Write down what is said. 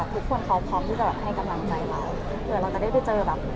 ทุกคนเขาพร้อมที่จะแบบให้กำลังใจเราเผื่อเราจะได้ไปเจอแบบ